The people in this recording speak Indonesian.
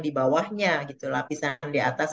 di bawahnya gitu lapisan di atas